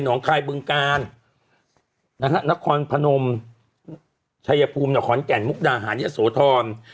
งคายบึงกาลนะฮะนครพนมชัยภูมินครแก่นมุกดาหารยะโสธร